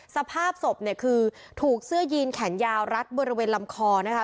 สภาพศพเนี่ยคือถูกเสื้อยีนแขนยาวรัดบริเวณลำคอนะคะ